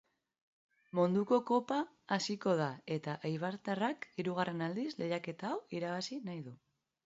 Munduko kopa hasiko da eta eibartarrak hirugarren aldiz lehiaketa hau irabazi nahi du.